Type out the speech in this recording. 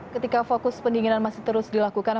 ketika fokus pendinginan masih terus dilakukan